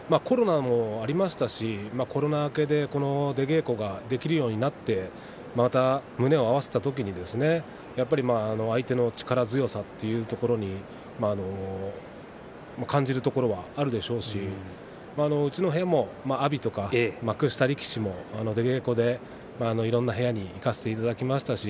今までこうだったのにとコロナもありましたしコロナ明けで出稽古もできるようになったのでまた胸を合わせた時に相手の力強さというところに感じるところがあるでしょうしうちの部屋も阿炎とか幕下力士も稽古でいろいろな部屋に行かせていただきました。